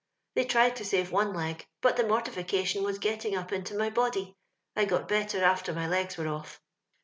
They tried to save one leg, but the mortification was getting up into my body. I got better after my legs were off.